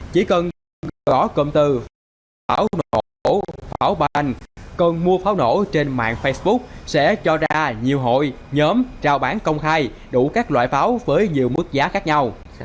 chỉ cần gõ cụm từ pháo nổ pháo banh cần mua pháo nổ trên mạng facebook sẽ cho ra nhiều hội nhóm trao bán công khai đủ các loại pháo với nhiều mức giá khác nhau